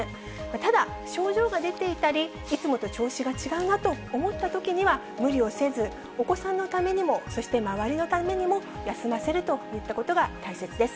ただ、症状が出ていたり、いつもと調子が違うなと思ったときには、無理をせず、お子さんのためにも、そして周りのためにも休ませるといったことが大切です。